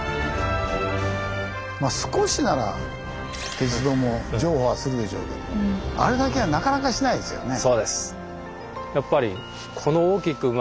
まあ少しなら鉄道も譲歩はするでしょうけどもあれだけはなかなかしないですよね。